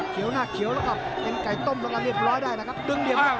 เขียวหน้าเขียวแล้วก็เป็นไก่ต้มเรียบร้อยได้นะครับ